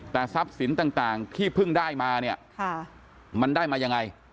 แต่ทรัพย์สินต่างที่เพิ่งได้มาเนี่ยมันได้มายังไง